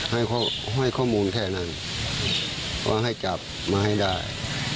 ให้ข้อมูลแค่นั้นว่าให้จับมาให้ได้